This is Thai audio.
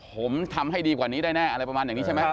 ผมทำให้ดีกว่านี้ได้แน่อะไรประมาณอย่างนี้ใช่ไหม